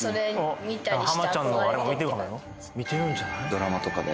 ドラマとかで？